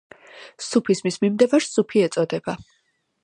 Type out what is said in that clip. სუფიზმის მიმდევარს სუფი ეწოდება.